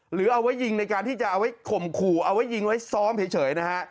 หรือเอาไว้ยิงในการที่จะเอาไว้ข่มขู่เอาไว้ยิงไว้ซ้อมเฉยนะฮะ